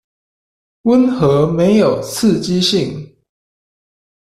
溫和沒有刺激性